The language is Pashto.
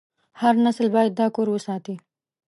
هر نسل باید دا کور وساتي.